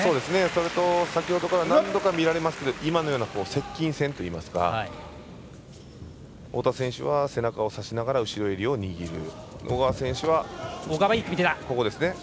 それと先ほどから何度か見られますが今のような接近戦といいますか太田選手は背中をさしながら後ろ襟を握る。